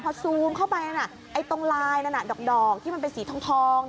พอซูมเข้าไปตรงลายนั้นดอกที่มันเป็นสีทอง